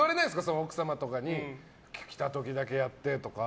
奥様とかに来た時だけやってとか。